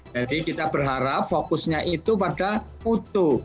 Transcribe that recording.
jadi kita berharap fokusnya itu pada mutu